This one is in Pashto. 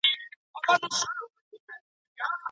ايا ناوړه عرفونه مو له منځه يوړل؟